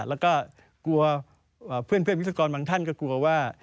แล้วก็กลัวเพื่อนวิศกรบางท่านก็กลัวว่า